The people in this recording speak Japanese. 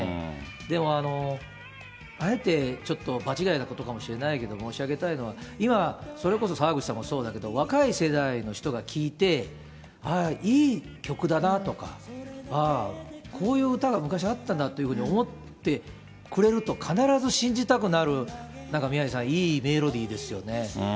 でも、あえてちょっと、場違いなことかもしれないけど、申し上げたいのは、今はそれこそ澤口さんもそうだけど、若い世代の人が聴いて、ああ、いい曲だなとか、ああ、こういう歌が昔あったんだというふうに思ってくれると必ず信じたくなる、なんか宮根さん、いいメロディーですよね。